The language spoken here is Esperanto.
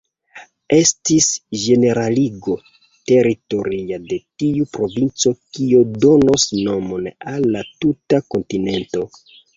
Estis ĝeneraligo teritoria de tiu provinco kio donos nomon al la tuta kontinento.